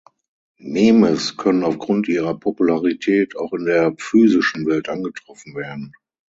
Memes können aufgrund ihrer Popularität auch in der physischen Welt angetroffen werden.